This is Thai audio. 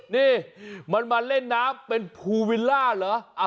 นี่มันมาเล่นน้ำเป็นภูวิลล่าเหรอ